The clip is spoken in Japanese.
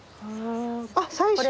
あっ最終？